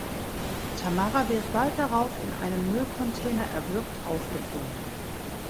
Tamara wird bald darauf in einem Müllcontainer erwürgt aufgefunden.